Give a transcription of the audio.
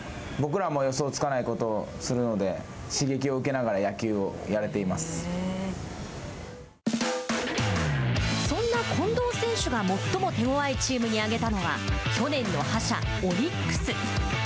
僕らも予想つかないことをするので、刺激を受けながら野球をやれそんな近藤選手が最も手ごわいチームに挙げたのは去年の覇者・オリックス。